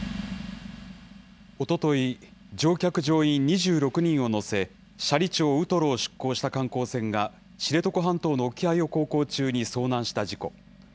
おととい、乗客・乗員２６人を乗せ、斜里町ウトロを出港した観光船が、知床半島の沖合を航行中に遭難した事故。